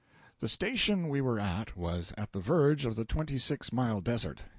The station we were at was at the verge of the Twenty six Mile Desert.